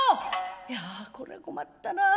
いやこりゃ困ったなあ。